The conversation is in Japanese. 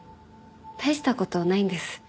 大した事ないんです。